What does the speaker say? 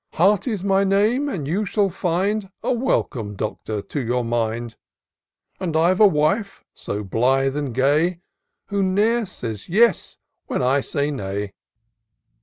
Hearty's my name, and you shall find A welcome. Doctor, to your mind: And I've a wife so blithe and gay. Who ne'er says yes when I say nay.''